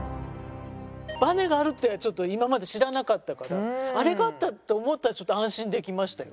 バネがあるっていうのはちょっと今まで知らなかったからあれがあると思ったらちょっと安心できましたよ。